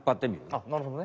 あっなるほどね。